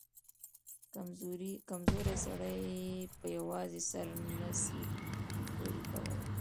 کمزورى سړى يې په يوازې سر نه سي پورې کولاى.